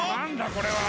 これは。